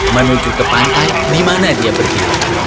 menuju ke pantai di mana dia pergi